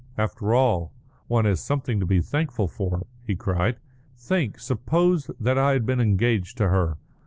"After all, one has something to be thankful for," he cried. "Think! Suppose that I had been engaged to her!